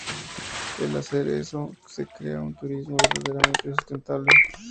Al hacer eso, se crea un turismo verdaderamente sustentable.